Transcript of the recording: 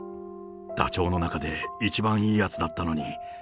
ダチョウの中で、一番いいやつだったのに。